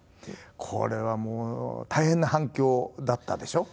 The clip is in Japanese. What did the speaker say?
これはもう大変な反響だったでしょう？